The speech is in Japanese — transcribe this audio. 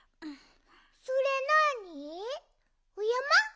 それなに？おやま？